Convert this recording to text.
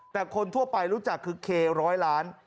แต่คนทั่วไปรู้จักคือเคร้อยล้าน